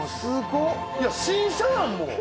「いや新車やんもう。